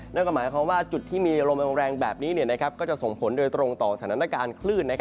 นั่นก็หมายความว่าจุดที่มีลมแรงแบบนี้ก็จะส่งผลโดยตรงต่อสถานการณ์คลื่น